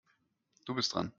Du bist dran.